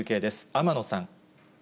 天野さん。